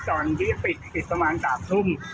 ตอนที่ปิดปิดประมาณ๓ทุ่ม